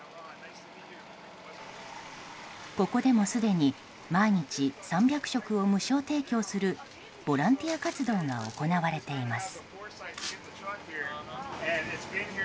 ここでも、すでに毎日３００食を無償提供するボランティア活動が行われています。